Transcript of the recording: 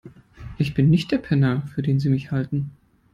Ich bin nicht der Penner, für den Sie mich halten.